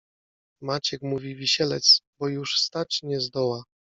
Maciek mówi wisielec, bo już stać nie zdoła